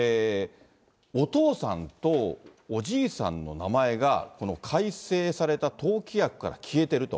お父さんとおじいさんの名前が、この改正された党規約から消えてると。